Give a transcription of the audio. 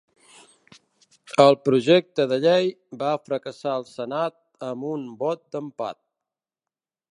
El projecte de llei va fracassar al senat amb un vot d'empat.